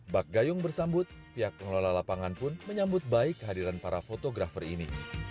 bak gayung bersambut pihak pengelola lapangan pun menyambut baik kehadiran para fotografer ini